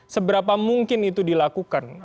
seberapa mungkin itu dilakukan